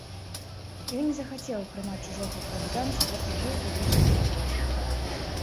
Ён не захацеў прымаць чужога падданства і жыў у вечнай трывозе.